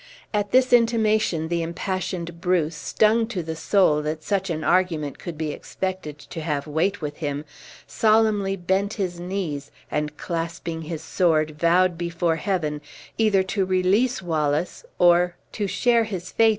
At this intimation the impassioned Bruce, stung to the soul that such an argument could be expected to have weight with him, solemnly bent his knees, and clasping his sword, vowed before Heaven "either to release Wallace or " to share his fate!